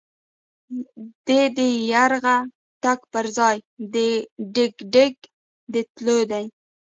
دی د يرغه تګ پر ځای په ډګډګ د تللو دی.